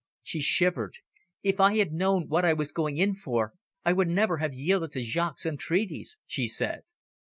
She shivered. "If I had known what I was going in for, I would never have yielded to Jaques' entreaties," she said.